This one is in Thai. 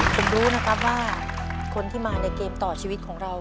ผมรู้นะครับว่าคนที่มาในเกมต่อชีวิตของเรา